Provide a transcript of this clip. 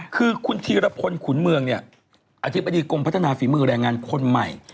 คือคุณธีรพลขุนเมืองเนี่ยอธิบดีกรมพัฒนาฝีมือแรงงานคนใหม่